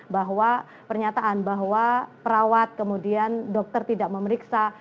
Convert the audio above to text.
bahwa pernyataan bahwa perawat kemudian dokter tidak memeriksa